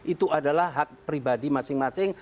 itu adalah hak pribadi masing masing